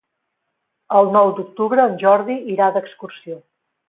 El nou d'octubre en Jordi irà d'excursió.